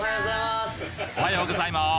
おはようございます！